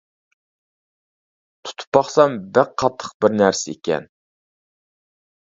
تۇتۇپ باقسام بەك قاتتىق بىرنەرسە ئىكەن.